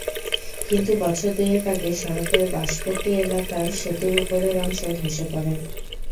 কিন্তু বছর দুয়েক আগে সড়কের বাঁশপট্টি এলাকার সেতুর ওপরের অংশ ধসে পড়ে।